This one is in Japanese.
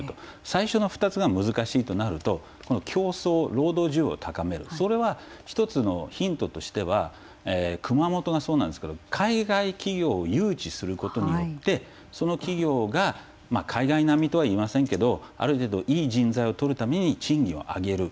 最初の２つが難しいとなると競争労働需要を高めるそれは一つのヒントとしては熊本がそうなんですけど海外企業を誘致することによってその企業が海外並みとはいいませんけどある程度いい人材をとるために賃金を上げる。